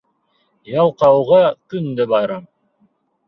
Ялҡауға көн дә байрам